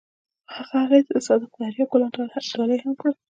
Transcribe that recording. هغه هغې ته د صادق دریاب ګلان ډالۍ هم کړل.